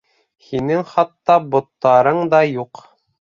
Һинең хатта боттарың да юҡ.